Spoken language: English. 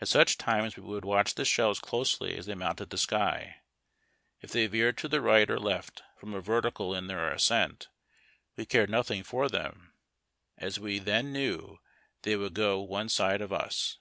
At such times we would watch the shells closely as they mounted the sky. If they veered to the right or left from a vertical in their ascent, we cared nothing for them as we then knew they would go one side of us.